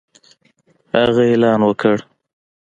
هغه اعلان وکړ